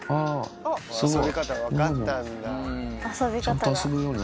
遊び方分かったんだ。